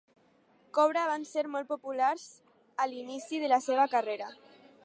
Cobra van ser molt populars a l'inici de la seva carrera.